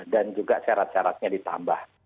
dan juga syarat syaratnya ditambah